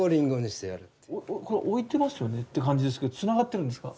これ置いてますよねって感じですけどつながってるんですか？